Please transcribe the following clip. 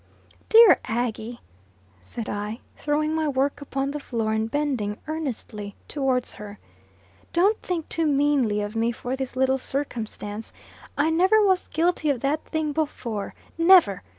"Dear Aggy!" said I, throwing my work upon the floor, and bending earnestly towards her. "Don't think too meanly of me for this little circumstance. I never was guilty of that thing before never!